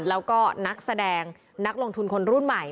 แล้วก็นักแสดงนักลงทุนคนรุ่นใหม่